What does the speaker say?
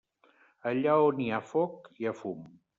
Allà on hi ha foc, hi ha fum.